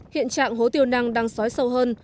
hiện trạng hố tiêu năng đang xói sâu hơn